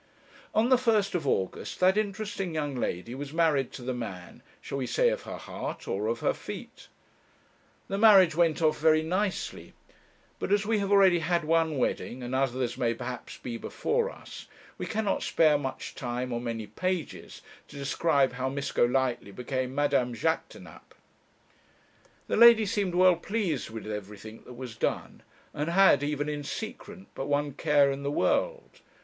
On the first of August that interesting young lady was married to the man shall we say of her heart or of her feet? The marriage went off very nicely, but as we have already had one wedding, and as others may perhaps be before us, we cannot spare much time or many pages to describe how Miss Golightly became Madame Jaquêtanàpe. The lady seemed well pleased with everything that was done, and had even in secret but one care in the world.